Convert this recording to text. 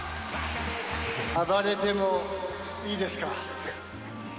暴れてもいいですか？